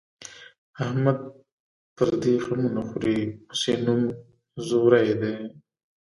احمد پردي غمونه خوري، اوس یې نوم ځوری دی.